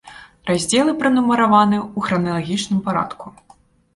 Раздзелы пранумараваны ў храналагічным парадку.